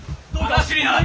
話にならん。